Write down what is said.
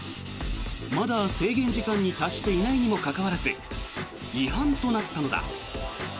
まだ制限時間に達していないにもかかわらず違反となったのだ。